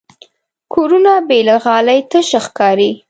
کورونه بې له غالۍ تش ښکاري.